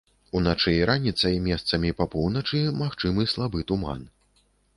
Уначы і раніцай месцамі па поўначы магчымы слабы туман.